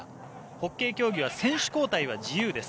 ホッケー競技は選手交代は自由です。